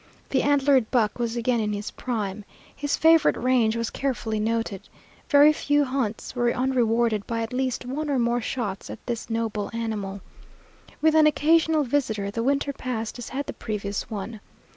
The antlered buck was again in his prime. His favorite range was carefully noted. Very few hunts were unrewarded by at least one or more shots at this noble animal. With an occasional visitor, the winter passed as had the previous one.